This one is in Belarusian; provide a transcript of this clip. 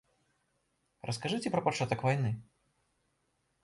Раскажыце пра пачатак вайны.